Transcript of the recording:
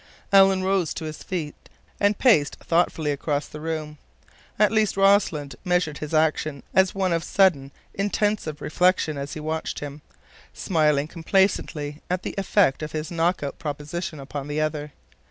Alan rose to his feet and paced thoughtfully across the room. At least, Rossland measured his action as one of sudden, intensive reflection as he watched him, smiling complacently at the effect of his knock out proposition upon the other.